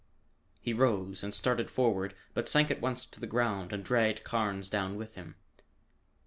He rose and started forward but sank at once to the ground and dragged Carnes down with him.